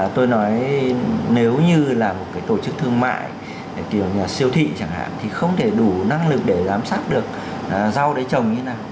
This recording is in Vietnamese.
tôi nói nếu như là một tổ chức thương mại kiểu nhà siêu thị chẳng hạn thì không thể đủ năng lực để giám sát được rau đấy trồng như thế nào